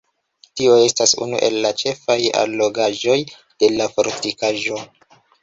Tio estas unu el la ĉefaj allogaĵoj de la fortikaĵo.